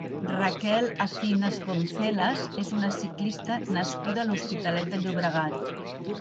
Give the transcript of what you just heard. Raquel Acinas Poncelas és una ciclista nascuda a l'Hospitalet de Llobregat.